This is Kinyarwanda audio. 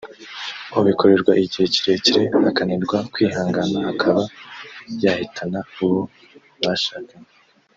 ubikorerwa igihe kirekire akananirwa kwihangana akaba yahitana uwo bashakanye”